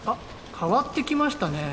変わってきましたねぇ。